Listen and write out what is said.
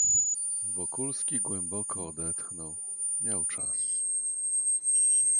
"Wokulski głęboko odetchnął; miał czas."